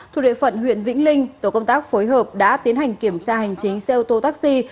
thuộc địa phận huyện vĩnh linh tổ công tác phối hợp đã tiến hành kiểm tra hành chính xe ô tô taxi